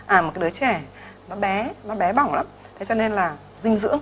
à một cái đứa trẻ nó bé nó bé bỏng lắm thế cho nên là dinh dưỡng